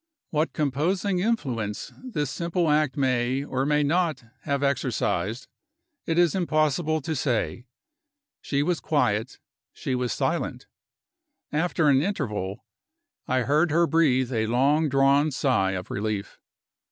What composing influence this simple act may, or may not, have exercised, it is impossible to say. She was quiet, she was silent. After an interval, I heard her breathe a long drawn sigh of relief.